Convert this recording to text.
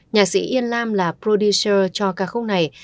nhạc sĩ yên lam là prodinser cho ca khúc này